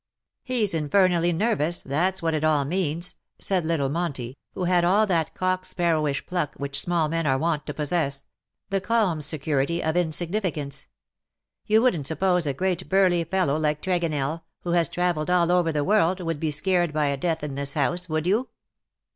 ^' He^s infernally nervous^ that's what it all means," said little Monty^ who had all that cock sparrowish pluck which small men are wont to possess — the calm security of insignificance. '^ You wouldn't suppose a great burly fellow like Tregonell, who has travelled all over the world, would be scared by a death in his house,, would you